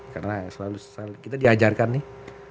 karena selalu kita diajarkan nih